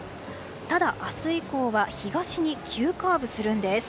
ただ明日以降は東に急カーブするんです。